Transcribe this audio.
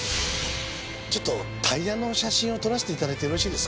ちょっとタイヤの写真を撮らせて頂いてよろしいですか？